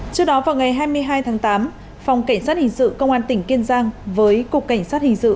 trước đó vào ngày hai mươi hai tháng tám phòng cảnh sát hình sự công an tỉnh kiên giang với cục cảnh sát hình sự